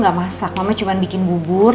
gak masak mama cuma bikin bubur